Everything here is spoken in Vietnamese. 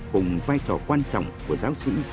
cùng vai trò quan trọng của giáo sĩ